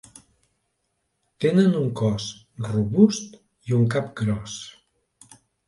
Tenen un cos robust i un cap gros.